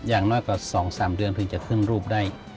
อย่างน้อยกว่า๒๓เดือนถึงจะขึ้นรูปได้